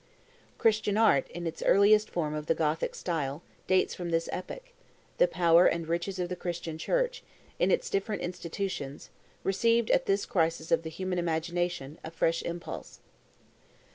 Christian art, in its earliest form of the Gothic style, dates from this epoch; the power and riches of the Christian Church, in its different institutions, received, at this crisis of the human imagination, a fresh impulse.